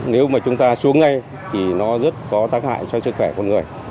nếu mà chúng ta xuống ngay thì nó rất có tác hại cho sức khỏe con người